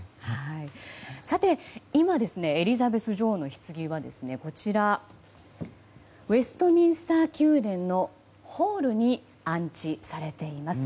さて、今エリザベス女王のひつぎはウェストミンスター宮殿のホールに安置されています。